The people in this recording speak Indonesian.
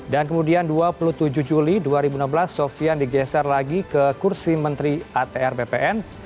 dan kemudian dua puluh tujuh juli dua ribu enam belas sofian digeser lagi ke kursi menteri atr ppn